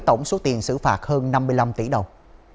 tổng số tiền xử phạt hơn năm mươi năm tỷ đồng